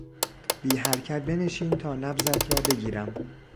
بی حرکت بنشین تا نبضت را بگیرم.